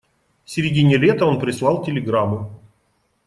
В середине лета он прислал телеграмму.